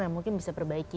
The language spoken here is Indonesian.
dan mungkin bisa perbaiki